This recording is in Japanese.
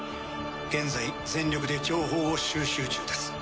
「現在全力で情報を収集中です」